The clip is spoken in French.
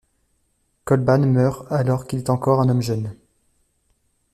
Colbán meurt alors qu'il est encore un homme jeune.